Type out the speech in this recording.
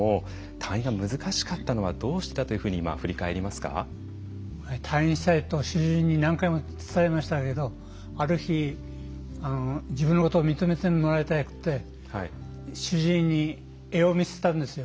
退院したいと主治医に何回も伝えましたけどある日自分のことを認めてもらいたくて主治医に絵を見せたんですよ。